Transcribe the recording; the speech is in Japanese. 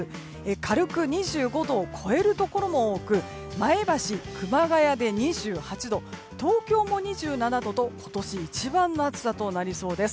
軽く２５度を超えるところも多く前橋、熊谷で２８度東京も２７度と今年一番の暑さとなりそうです。